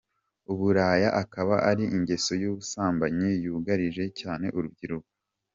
Uburaya akaba ari ingeso y’ubusambanyi yugarije cyane urubyiruko.